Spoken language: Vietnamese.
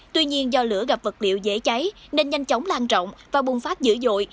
tuy nhiên do lửa gặp vật liệu dễ cháy nên nhanh chóng lan trọng và bùng phát dữ dội